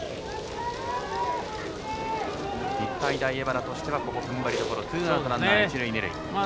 日体大荏原としてはここは、ふんばりどころツーアウトランナー、一塁二塁。